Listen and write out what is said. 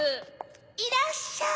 いらっしゃい！